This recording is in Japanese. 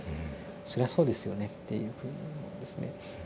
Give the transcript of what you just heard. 「そりゃそうですよね」っていうふうに思うんですね。